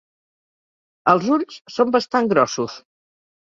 Els ulls són bastant grossos.